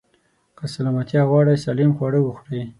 که سلامتيا غواړئ، سالم خواړه وخورئ.